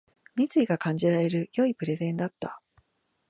熱意が感じられる良いプレゼンだった